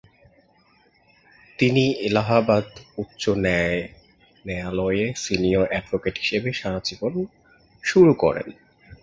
তিনি এলাহাবাদ উচ্চ ন্যায়ালয়-এ সিনিয়র অ্যাডভোকেট হিসাবে জীবন শুরু করেন।